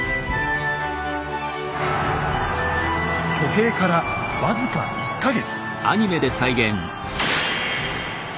挙兵から僅か１か月。